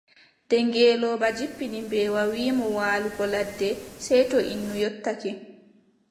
Nde ngeelooba jippini mbeewa wii mo waalugo ladde, sey to innu yottake.